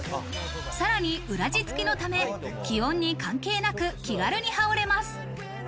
さらに裏地付きのため、気温に関係なく気軽に羽織れます。